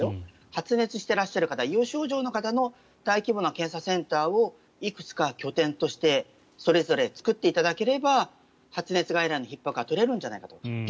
発熱している方有症状の方を大規模な検査センターをいくつか拠点としてそれぞれ作っていただければ発熱外来のひっ迫は取れるんじゃないかと思います。